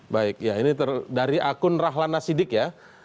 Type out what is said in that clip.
baik ya ini dari akun rahlana sidik ya